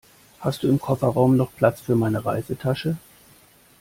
Hast du im Kofferraum noch Platz für meine Reisetasche?